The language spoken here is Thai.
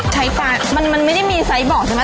ใช้ปลามันไม่ได้มีไซส์เบาะใช่มั้ย